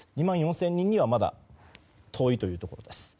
２万４０００人にはまだ遠いというところです。